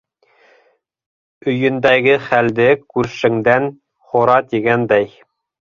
- Өйөндәге хәлде күршеңдән һора тигәндәй...